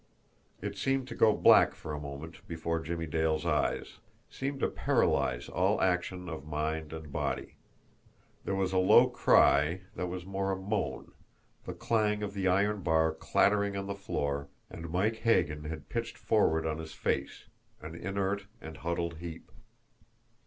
It seemed to go black for a moment before Jimmie Dale's eyes, seemed to paralyse all action of mind and body. There was a low cry that was more a moan, the clang of the iron bar clattering on the floor, and Mike Hagan had pitched forward on his face, an inert and huddled heap.